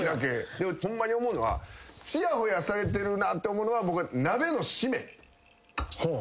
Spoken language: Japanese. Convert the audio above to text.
でもホンマに思うのはちやほやされてるなって思うのは。